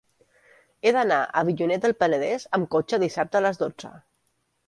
He d'anar a Avinyonet del Penedès amb cotxe dissabte a les dotze.